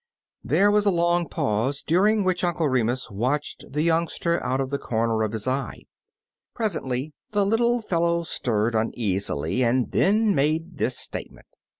There was a long pause, during which Uncle Remus watched the youngster out of the comer of his eye. Presently the little fellow stirred uneasily, and then made this statement.